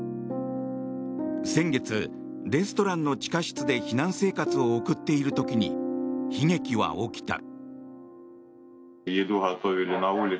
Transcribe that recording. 先月、レストランの地下室で避難生活を送っている時に悲劇は起きた。